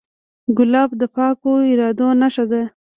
ګلاب د پاکو ارادو نښه ده.